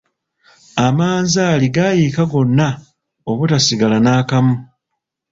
Amanzaali gaayiika gonna obutasigala naakamu.